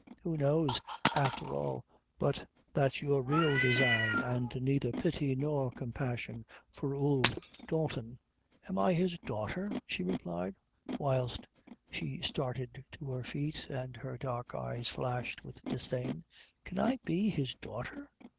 Who knows, affcher all, but that's your real design, and neither pity nor compassion for ould Dalton." "Am I his daughter?" she replied, whilst she started to her feet, and her dark eyes flashed with disdain: "Can I be his daughter?"